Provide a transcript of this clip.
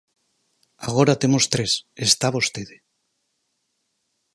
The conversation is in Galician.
Agora temos tres, está vostede.